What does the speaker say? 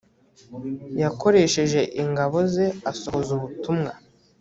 yakoresheje ingabo ze asohoza ubutumwa